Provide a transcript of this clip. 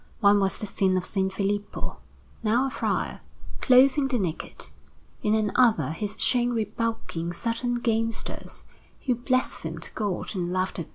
One was the scene of S. Filippo, now a friar, clothing the naked. In another he is shown rebuking certain gamesters, who blasphemed God and laughed at S.